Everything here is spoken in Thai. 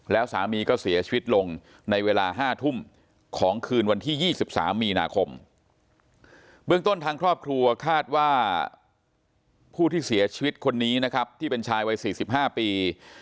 แล้วสามีก็เสียชีวิตลงในเวลา๕ทุ่มของคืนวันที่๒๓มีนาคมเบื้องต้นทางครอบครัวคาดว่าผู้ที่เสียชีวิตคนนี้นะครับที่เป็นชายวัย๔๕ปี